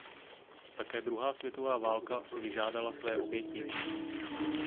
Také druhá světová válka si vyžádala své oběti.